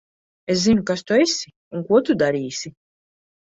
Es zinu, kas tu esi un ko tu darīsi.